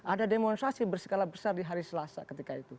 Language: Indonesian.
ada demonstrasi berskala besar di hari selasa ketika itu